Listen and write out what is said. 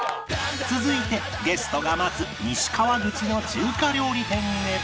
続いてゲストが待つ西川口の中華料理店へ